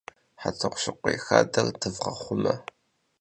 ХьэтӀохъущыкъуей хадэр дывгъэхъумэ!